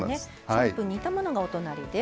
３分煮たものがお隣です。